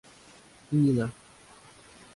Нина